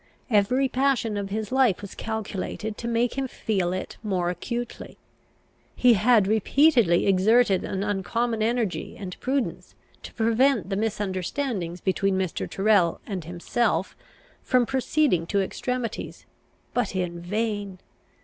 Every passion of his life was calculated to make him feel it more acutely. He had repeatedly exerted an uncommon energy and prudence, to prevent the misunderstanding between Mr. Tyrrel and himself from proceeding to extremities; but in vain!